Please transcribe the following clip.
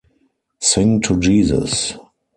Sing to Jesus!